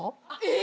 え！